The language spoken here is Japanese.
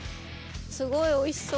すごい美味しそう！